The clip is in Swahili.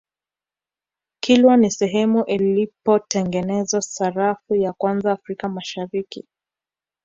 kilwa ni sehemu ilipotengenezwa sarafu ya kwanza africa mashariki